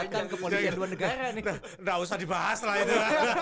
tidak usah dibahas lah itu